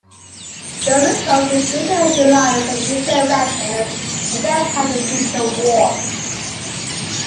The result: a greater reliance on nuclear weapons and air power to deter war.